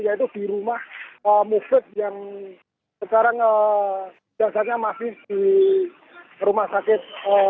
yaitu di rumah mufrid yang sekarang dasarnya masih di rumah sakit